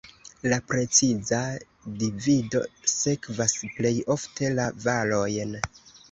La preciza divido sekvas plej ofte la valojn.